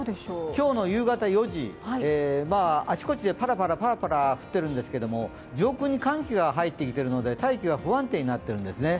今日の夕方４時、あちこちでぱらぱら降っているんですけれども、上空に寒気が入ってきてるので大気が不安定になってるんですね。